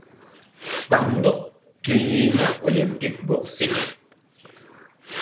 Kpaŋndɔk ke yi̧hna olimpik bɔk seɗe.